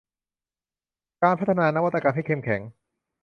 การพัฒนานวัตกรรมให้เข้มแข็ง